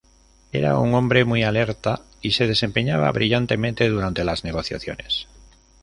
Era un hombre muy alerta y se desempeñaba brillantemente durante las negociaciones.